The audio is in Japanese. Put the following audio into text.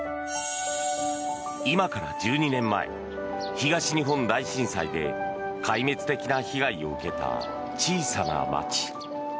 今から１２年前、東日本大震災で壊滅的な被害を受けた小さな町。